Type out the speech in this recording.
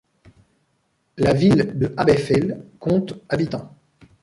La ville de Abbeyfeale compte habitants.